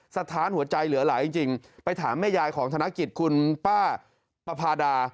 สถานหัวใจเหลือหลายจริงไปถามแม่ยายของธนกิจคุณป้าประพาดา